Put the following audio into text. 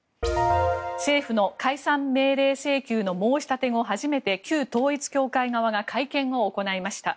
政府の解散命令請求の申し立て後初めて旧統一教会側が会見を行いました。